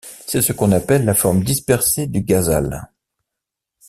C'est ce qu'on appelle la forme dispersée du ghazal.